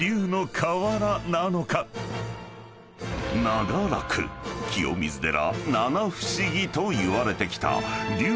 ［長らく清水寺七不思議といわれてきた］